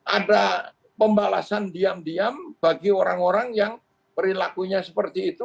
ada pembalasan diam diam bagi orang orang yang perilakunya seperti itu